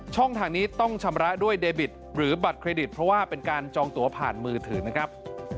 ทางนี้ต้องชำระด้วยเดบิตหรือบัตรเครดิตเพราะว่าเป็นการจองตัวผ่านมือถือนะครับ